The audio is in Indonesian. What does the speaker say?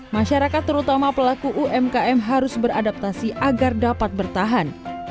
masyarakat terutama pelaku umkm harus beradaptasi agar dapat bertahan